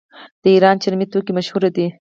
د ایران چرمي توکي مشهور دي.